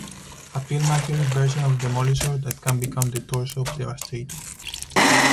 A film-accurate version of Demolishor that can become the torso of Devastator.